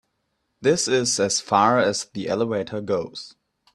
This is as far as the elevator goes.